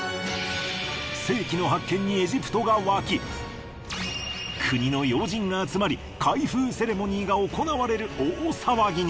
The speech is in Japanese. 世紀の発見にエジプトが沸き国の要人が集まり開封セレモニーが行われる大騒ぎに。